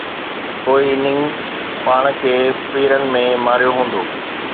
ڪوئي اننگ پاڻ کي پيرن ۾ ماريو هوندو